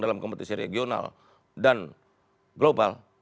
dalam kompetisi regional dan global